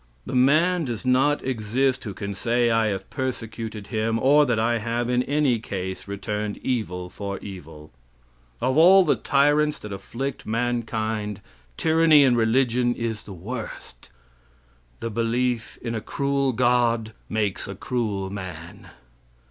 "The man does not exist who can say I have persecuted him, or that I have, in any case, returned evil for evil. "Of all the tyrants that afflict mankind, tyranny in religion is the worst. "The belief in a cruel God makes a cruel man.